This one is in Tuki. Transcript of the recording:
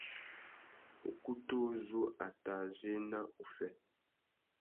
Ukutu uzu a tà zu ena uffê.